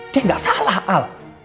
dia gak salah al